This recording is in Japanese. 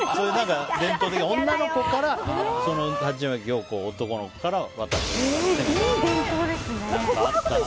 伝統的に女の子から鉢巻きを男の子から渡してもらってみたいな。